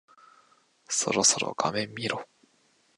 そろそろ画面見ろ。